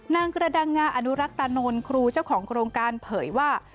นางกระดังงาอนุรักษ์ตานนท์ครูเจ้าของโครงการเผยว่า